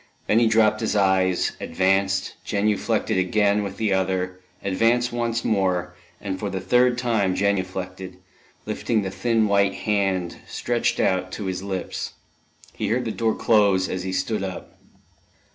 Then he dropped his eyes, advanced, genuflected again with the other, advanced once more, and for the third time genuflected, lifting the thin white hand, stretched out, to his lips. He heard the door close as he stood up.